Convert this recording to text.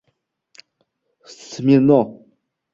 — Smirno!